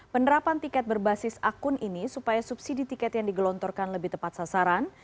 penerapan tiket berbasis akun ini supaya subsidi tiket yang digelontorkan lebih tepat sasaran